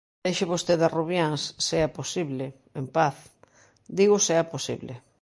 Deixe vostede a Rubiáns, se é posible, en paz, digo se é posible.